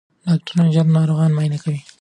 ډاکټران ژر ناروغان معاینه کوي.